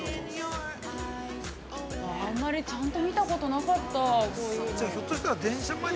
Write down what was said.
あんまりちゃんと見たことなかった、こういうの。